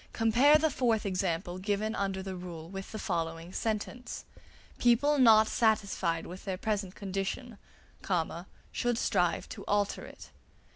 Compare the fourth example given under the rule with the following sentence: "People not satisfied with their present condition, should strive to alter it."